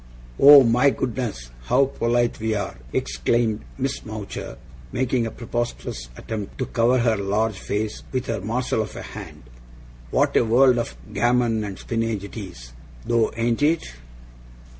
'Oh, my goodness, how polite we are!' exclaimed Miss Mowcher, making a preposterous attempt to cover her large face with her morsel of a hand. 'What a world of gammon and spinnage it is, though, ain't it!